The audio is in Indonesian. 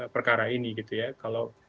perkara ini gitu ya kalau